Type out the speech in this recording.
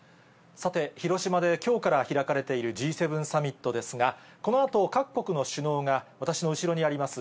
さて、広島できょうから開かれているＧ７サミットですが、このあと、各国の首脳が、私の後ろにあります